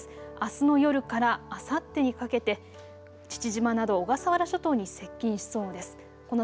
あすの夜からあさってにかけて父島など小笠原諸島に接近しそうです。